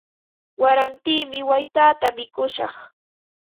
Warantimi waytata mikushaq.